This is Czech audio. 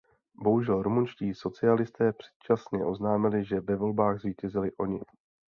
Bohužel rumunští socialisté předčasně oznámili, že ve volbách zvítězili oni.